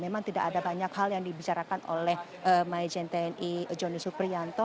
memang tidak ada banyak hal yang dibicarakan oleh maijen tni joni suprianto